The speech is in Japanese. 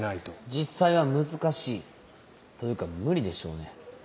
実際は難しいというか無理でしょうね。